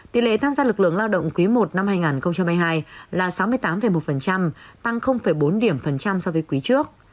tỷ lệ tham gia lực lượng lao động quý i năm hai nghìn hai mươi hai là sáu mươi tám một tăng bốn điểm phần trăm so với quý trước